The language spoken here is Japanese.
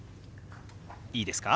いいですか？